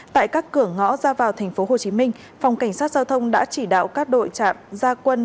tại các cửa ngõ ra vào tp hcm phòng cảnh sát giao thông đã chỉ đạo các đội trạm gia quân